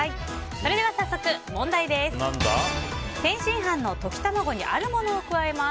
それでは早速問題です。